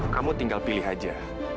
kamu tinggal pilih aja